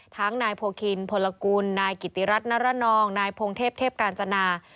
นายโพคินพลกุลนายกิติรัฐนรนองนายพงเทพเทพกาญจนา